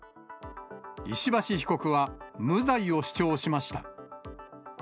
石橋被告は、無罪を主張しました。